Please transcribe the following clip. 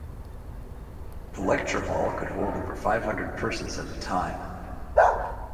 The lecture hall could hold over five hundred persons at a time.